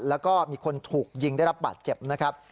แล้วก็มีคนถูกยิงได้รับบาดเจ็บนะครับ